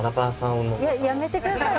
やめてください！